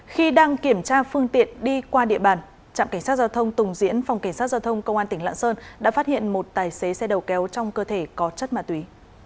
khi đang kiểm tra phương tiện đi qua địa bàn trạm cảnh sát giao thông tùng diễn phòng cảnh sát giao thông công an tỉnh lạng sơn đã phát hiện một tài xế xe đầu kéo trong cơ thể có chất ma túy